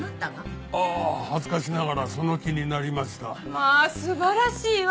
まあ素晴らしいわ！